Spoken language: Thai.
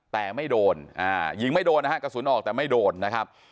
แต่ไม่โดนยิงไม่โดนนะฮะกระสุนออกแต่ไม่โดนนะครับ